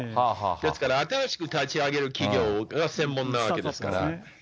ですから、新しく立ち上げる企業が専門なわけですから。